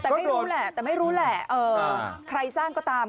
แต่ไม่รู้แหละใครสร้างก็ตาม